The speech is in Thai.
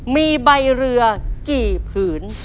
มีใบเรือกี่ผืน